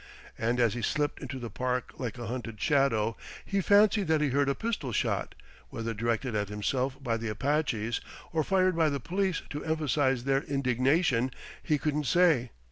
And as he slipped into the park like a hunted shadow, he fancied that he heard a pistol shot whether directed at himself by the Apaches, or fired by the police to emphasize their indignation, he couldn't say.